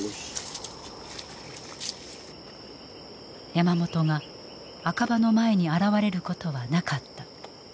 山本が赤羽の前に現れることはなかった。